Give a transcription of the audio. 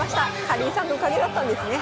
かりんさんのおかげだったんですね。